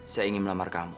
saya ingin melamar kamu